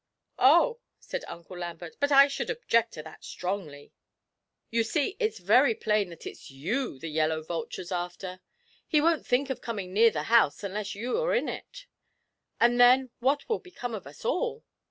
'Oh,' said Uncle Lambert, 'but I should object to that strongly. You see it's very plain that it's you the Yellow Vulture's after. He won't think of coming near the house unless you're in it, and then what will become of us all?'